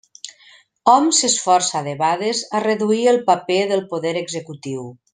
Hom s'esforça debades a reduir el paper del poder executiu.